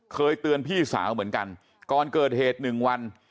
เคยเตือนพี่สาวเหมือนกันก่อนเกิดเหตุหนึ่งวัน